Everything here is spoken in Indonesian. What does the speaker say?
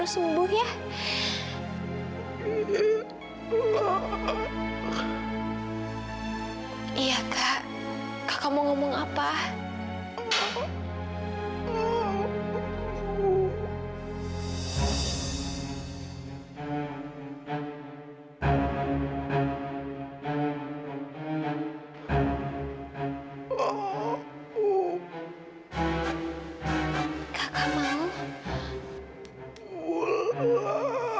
sampai jumpa di video selanjutnya